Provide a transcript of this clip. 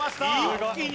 一気に。